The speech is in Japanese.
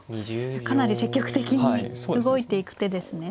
かなり積極的に動いていく手ですね。